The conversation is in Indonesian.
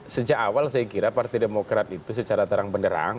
sejak awal saya kira partai demokrat itu secara terang benderang